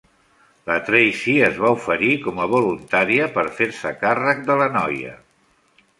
La Tracey es va oferir com a voluntària per fer-se càrrec de la noia.